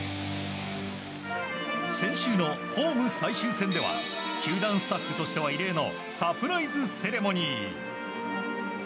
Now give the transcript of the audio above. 先週のホーム最終戦では球団スタッフとしては異例のサプライズセレモニー。